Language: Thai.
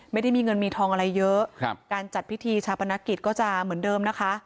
ไม่ได้มีเงินมีทองอะไรเยอะการจัดพิธีชาปนกิจก็จะเหมือนเดิมนะคะ